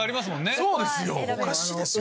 そうですよ。